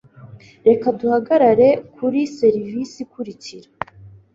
Reka duhagarare kuri serivise ikurikira.